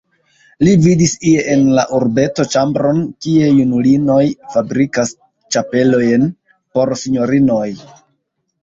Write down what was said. Li vidis ie en la urbeto ĉambron, kie junulinoj fabrikas ĉapelojn por sinjorinoj.